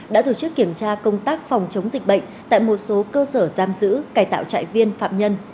đã tổ chức kiểm tra công tác phòng chống dịch bệnh tại một số cơ sở giam giữ cải tạo trại viên phạm nhân